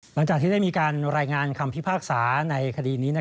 หลังจากที่ได้มีการรายงานคำพิพากษาในคดีนี้